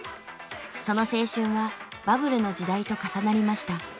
その青春はバブルの時代と重なりました。